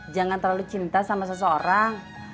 jangan terlalu cinta sama seseorang